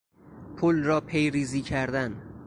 پل را پیریزی کردن